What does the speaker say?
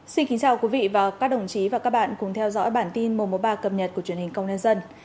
xin kính chào quý vị và các đồng chí và các bạn cùng theo dõi bản tin mùa mùa ba cập nhật của truyền hình công nhân dân